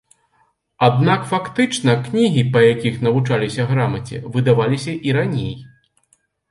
Аднак фактычна кнігі, па якіх навучаліся грамаце, выдаваліся і раней.